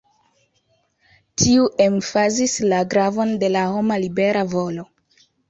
Tiu emfazis la gravon de la homa libera volo.